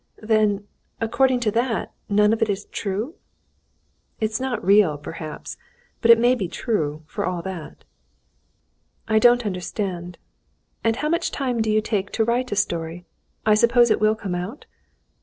"Then, according to that, none of it is true?" "It is not real, perhaps, but it may be true, for all that." "I don't understand. And how much time do you take to write a story? I suppose it will come out?"